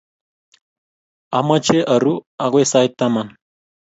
Amache aru akoy sait taman